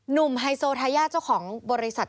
ไฮโซทายาทเจ้าของบริษัท